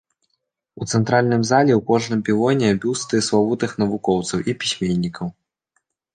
У цэнтральным зале ў кожным пілоне бюсты славутых навукоўцаў і пісьменнікаў.